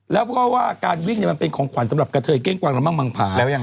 แล้วก็ว่าการวิ่งเป็นของขวานสำหรับเก้งกว่างละม่างมาก